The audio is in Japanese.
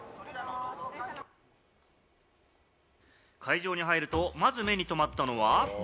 会場に入るとまず目にとまったのは。